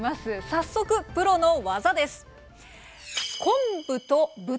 早速プロの技です！